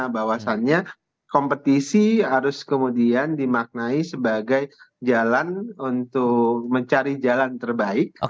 bahwasannya kompetisi harus kemudian dimaknai sebagai jalan untuk mencari jalan terbaik